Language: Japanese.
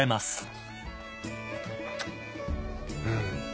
うん。